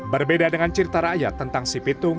berbeda dengan cerita rakyat tentang si pitung